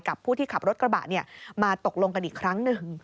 ผู้ที่ขับรถกระบะมาตกลงกันอีกครั้งหนึ่ง